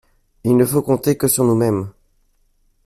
Il ne faut compter que sur nous-mêmes.